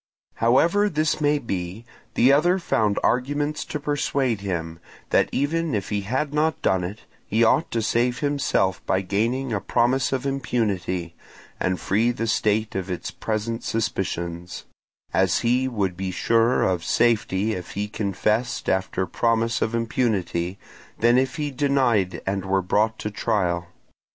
However this may be, the other found arguments to persuade him, that even if he had not done it, he ought to save himself by gaining a promise of impunity, and free the state of its present suspicions; as he would be surer of safety if he confessed after promise of impunity than if he denied and were brought to trial.